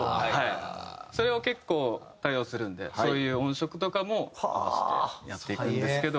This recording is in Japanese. それを結構多用するのでそういう音色とかも合わせてやっていくんですけど。